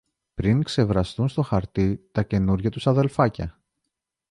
πριν ξεβραστούν στο χαρτί τα καινούρια τους αδελφάκια